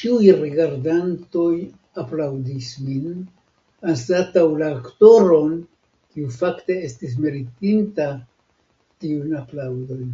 Ĉiuj rigardantoj aplaŭdis min, anstataŭ la aktoron, kiu fakte estis meritinta tiujn aplaŭdojn.